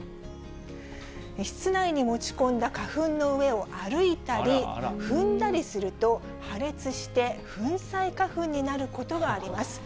室内に持ち込んだ花粉の上を歩いたり、踏んだりすると、破裂して、粉砕花粉になることがあります。